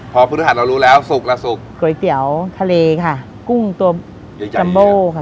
พอพฤหัสเรารู้แล้วสุกละสุกก๋วยเตี๋ยวทะเลค่ะกุ้งตัวใหญ่จัมโบค่ะ